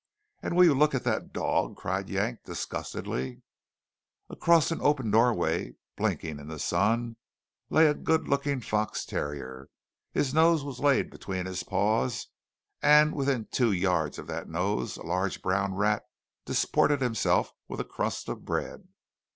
"And will you look at that dog!" cried Yank disgustedly. Across an open doorway, blinking in the sun, lay a good looking fox terrier. His nose was laid between his paws, and within two yards of that nose a large brown rat disported itself with a crust of bread.